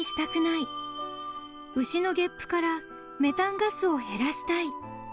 ［牛のゲップからメタンガスを減らしたい］